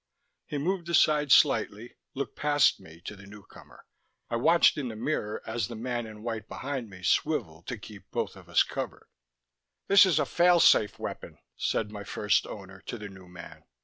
He moved aside slightly, looked past me to the newcomer. I watched in the mirror as the man in white behind me swiveled to keep both of us covered. "This is a fail safe weapon," said my first owner to the new man.